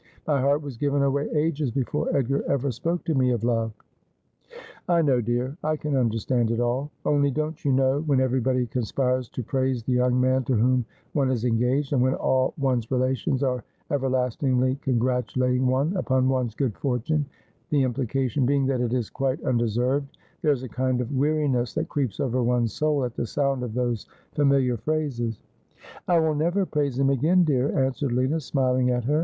My heart was given away ages before Edgar ever spoke to me of love.' ' I know, dear ; I can understand it all ; only, don't you know, when everybody conspires to praise the young man to whom one is engaged, and when all one's relations are everlast ingly congratulating one upon one's good fortune — the implica tion being that it is quite undeserved — there is a kind of weariness that creeps over one's soul at the sound of those familiar phrases.' ' I will never praise him again, dear,' answered Lina, smiling at her.